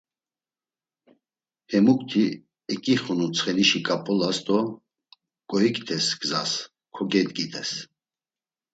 Hemukti eǩixunu tsxenişi ǩap̌ulas do goiktes gzas kogedgites.